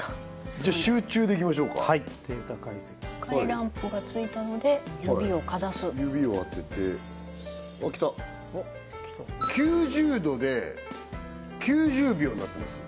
じゃあ「集中」でいきましょうか赤いランプがついたので指をかざす指を当ててあっきた９０度で９０秒になってます